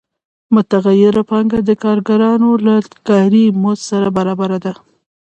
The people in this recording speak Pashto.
متغیره پانګه د کارګرانو له کاري مزد سره برابره ده